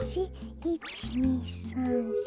１２３４。